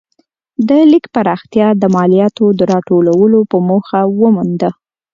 د لیک پراختیا د مالیاتو د راټولولو په موخه ومونده.